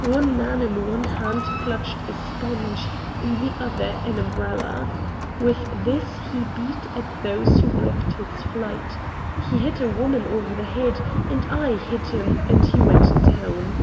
One man in one hand clutched a sponge, in the other an umbrella. With this he beat at those who blocked his flight. He hit a woman over the head, and I hit him and he went down.